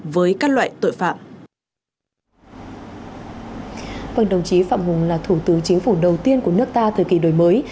đồng chí phạm hùng là thủ tướng chính phủ đầu tiên của nước ta thời kỳ đổi mới